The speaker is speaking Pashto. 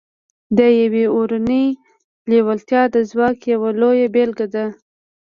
دا د يوې اورنۍ لېوالتیا د ځواک يوه لويه بېلګه ده.